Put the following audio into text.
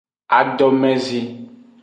Adomezi.